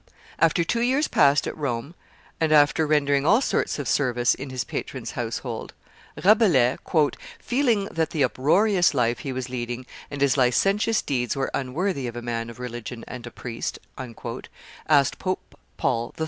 After two years passed at Rome, and after rendering all sorts of service in his patron's household, Rabelais, "feeling that the uproarious life he was leading and his licentious deeds were unworthy of a man of religion and a priest," asked Pope Paul III.